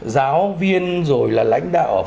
giáo viên rồi là lãnh đạo